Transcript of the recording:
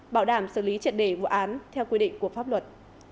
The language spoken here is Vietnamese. bảo đảm xử lý triệt đề vụ án theo quy định của pháp luật